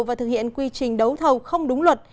và thực hiện quy trình đấu thầu không đúng luật